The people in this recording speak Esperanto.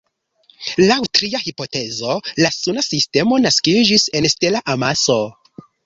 Laŭ tria hipotezo la Suna sistemo naskiĝis en stela amaso.